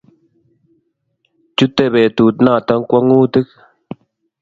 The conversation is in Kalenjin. Chute petut notok kwangutik